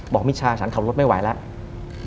มิชาฉันขับรถไม่ไหวแล้ว